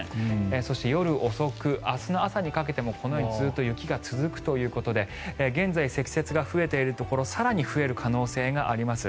そして、夜遅く明日の朝にかけてもこのようにずっと雪が続くということで現在、積雪が増えているところ更に増える可能性があります。